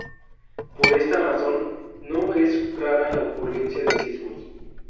Por esta razón, no es rara la ocurrencia de sismos.